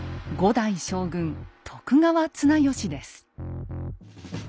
代将軍徳川綱吉です。